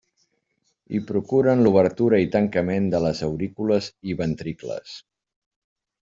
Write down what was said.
I procuren l'obertura i tancament de les aurícules i els ventricles.